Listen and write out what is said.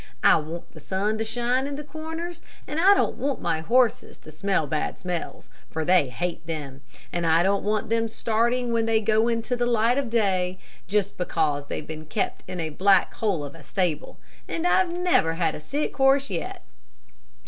I want the sun to shine in the corners, and I don't want my horses to smell bad smells, for they hate them, and I don't want them starting when they go into the light of day, just because they've been kept in a black hole of a stable, and I've never had a sick horse yet."